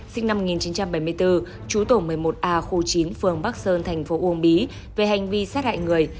sinh năm một nghìn chín trăm bảy mươi bốn chú tổ một mươi một a khu chín phường bắc sơn thành phố uông bí về hành vi sát hại người